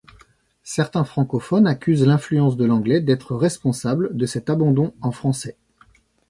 Certains francophones accusent l’influence de l’anglais d’être responsable de cet abandon en français.